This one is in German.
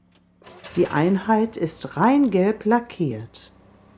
Die Einheit ist rein gelb lackiert.